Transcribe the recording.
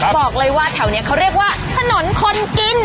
บอกเลยว่าแถวนี้เขาเรียกว่าถนนคนกิน